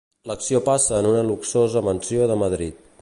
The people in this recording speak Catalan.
L'acció passa en una luxosa mansió de Madrid.